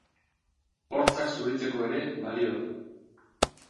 Hortzak zuritzeko ere balio du.